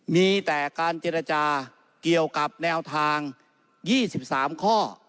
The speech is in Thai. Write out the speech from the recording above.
มีแต่การเจรจาเกี่ยวกับแนวทาง๒๓ข้อ